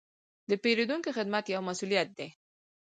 د پیرودونکو خدمت یو مسوولیت دی.